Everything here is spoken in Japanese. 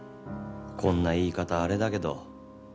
こんな言い方あれだけど